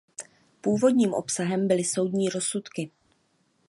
Původním obsahem byly soudní rozsudky.